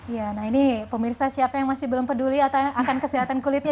ya nah ini pemirsa siapa yang masih belum peduli akan kesehatan kulitnya